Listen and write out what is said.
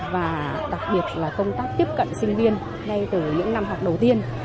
và đặc biệt là công tác tiếp cận sinh viên ngay từ những năm học đầu tiên